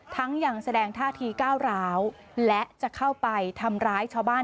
ยังแสดงท่าทีก้าวร้าวและจะเข้าไปทำร้ายชาวบ้าน